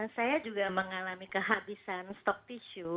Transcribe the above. saya juga mengalami kehabisan stok tisu